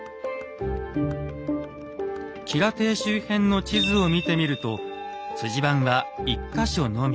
吉良邸周辺の地図を見てみると番は１か所のみ。